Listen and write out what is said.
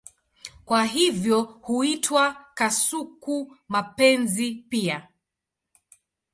Kwa hivyo huitwa kasuku-mapenzi pia.